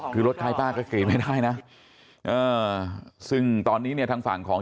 คือรถใครป้าก็การการไม่ได้น่ะซึ่งตอนนี้จะทางฝั่งของ